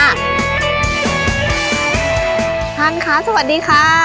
ท่านค่ะสวัสดีค่ะ